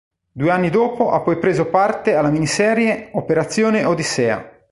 Due anni dopo ha poi preso parte alla miniserie "Operazione Odissea".